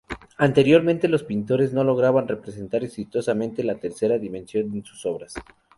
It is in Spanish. Anteriormente, los pintores no lograban representar exitosamente la tercera dimensión en sus obras.